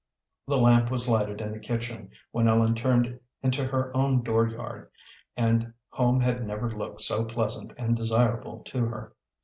The lamp was lighted in the kitchen when Ellen turned into her own door yard, and home had never looked so pleasant and desirable to her.